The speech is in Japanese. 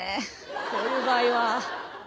こういう場合は。